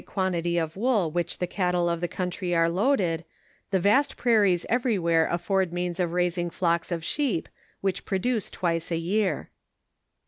quantity of wool which thd cattle of the country are loaded, the vast prairies everywhere afford means of raising flocks of sheep, which produce twice a year.